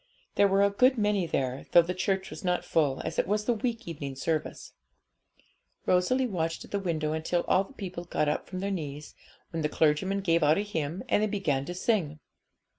There were a good many there, though the church was not full, as it was the week evening service. Rosalie watched at the window until all the people got up from their knees, when the clergyman gave out a hymn, and they began to sing.